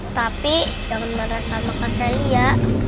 tapi jangan marah sama kak selia